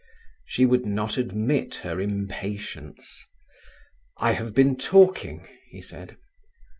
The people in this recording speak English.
She would not admit her impatience. "I have been talking," he said.